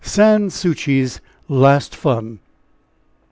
SANS SOUCI'S LAST FUN.